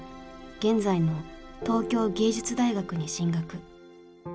現在の東京藝術大学に進学。